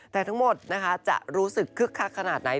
แต่ทั้งหมดนะคะจะรู้สึกคึกคักขนาดไหน